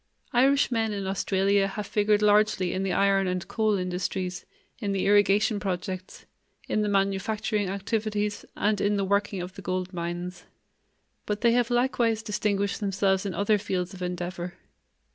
Irishmen in Australia have figured largely in the iron and coal industries, in the irrigation projects, in the manufacturing activities, and in the working of the gold mines. But they have likewise distinguished themselves in other fields of endeavor.